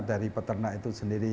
dari peternak itu sendiri